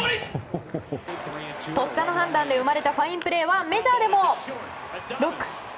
とっさの判断で生まれたファインプレーはメジャーでも。